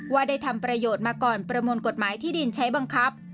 ว่าได้ทำประโยชน์มาก่อนประมวลกฎหมายที่ดินใช้บังคับ